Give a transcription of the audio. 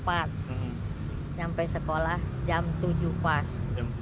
sampai sekolah jam tujuh pas